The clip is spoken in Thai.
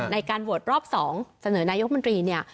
ในการวดรอบสองเสนอนายกมันตรี